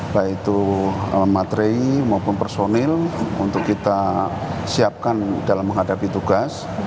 baik itu materai maupun personil untuk kita siapkan dalam menghadapi tugas